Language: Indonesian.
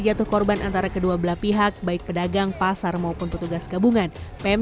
jatuh korban antara kedua belah pihak baik pedagang pasar maupun petugas gabungan pm